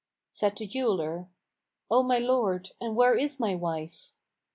Said the jeweller, "O my lord, and where is my wife?"